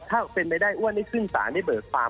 ถ้าเป็นไปได้ว่าไม่ขึ้นศาลไม่เบิดความ